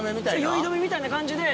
酔い止めみたいな感じで。